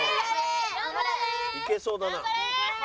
いけそうだなあ。